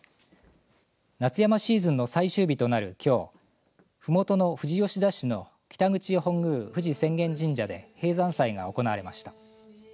夏山シーズンの最終日となるきょうふもとの富士吉田市の北口本宮冨士浅間神社で閉山祭が行われました。